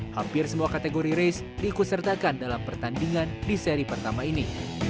hampir semua kategori race diikut sertakan dalam pertandingan di seri pertama ini